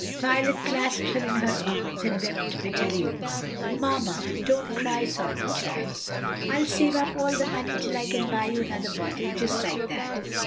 Violet clasped her in her arms and wept bitterly over her. "Mamma, don't cry," sobbed the child, "I'll save up all my money till I can buy you another bottle, just like that."